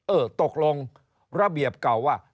เออตกลงระเบียบเก่าว่า